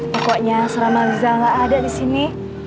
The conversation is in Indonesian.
pokoknya serama rizal gak ada di sini